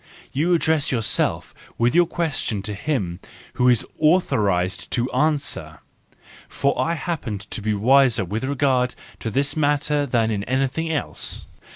You address yourself with your question to him who is authorised to answer, for I happen to be wiser with regard to this matter than in anything else.